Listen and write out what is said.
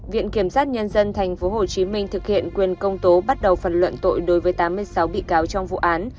viện kiểm sát nhân dân tp hcm thực hiện quyền công tố bắt đầu phần luận tội đối với tám mươi sáu bị cáo trong vụ án